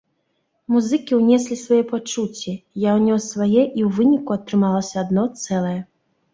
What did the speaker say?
Музыкі ўнеслі свае пачуцці, я ўнёс свае і ў выніку атрымалася адно цэлае.